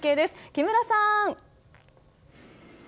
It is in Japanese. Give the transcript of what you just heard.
木村さん。